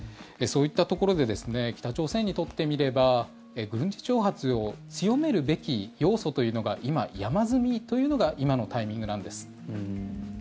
そういったところで北朝鮮にとってみれば軍事挑発を強めるべき要素というのが今、山積みというのが今のタイミングなんです。